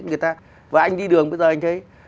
người ta và anh đi đường bây giờ anh thấy